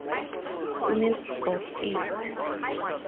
Smith's got it.